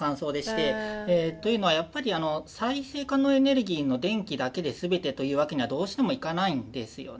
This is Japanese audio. というのはやっぱり再生可能エネルギーの電気だけで全てというわけにはどうしてもいかないんですよね。